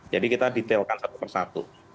jadi kita detailkan satu persatu